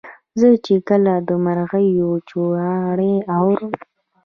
زه چي کله د مرغیو چوڼاری اورم